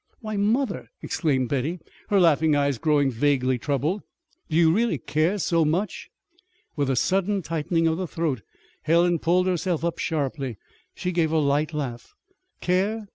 "Why, mother!" exclaimed Betty, her laughing eyes growing vaguely troubled. "Do you really care so much?" With a sudden tightening of the throat Helen pulled herself up sharply. She gave a light laugh. "Care?